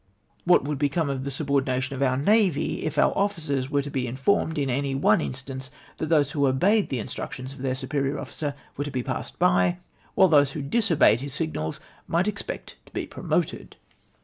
What would become of the subordination of our Navy if our officers were to be informed, in any one instance, that those who obeyed the instructions of their superior officer were to he passed by, while those who diso])eyed his signals might expect to be promoted